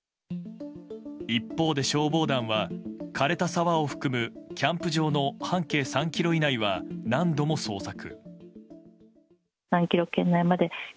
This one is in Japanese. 一方で消防団は枯れた沢を含むキャンプ場の半径３ｋｍ以内は何度も捜索。